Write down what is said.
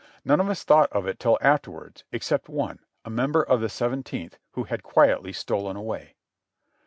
None of us thought of it till afterwards, except one, a member of tlie Seventeenth, who had quietly stolen away.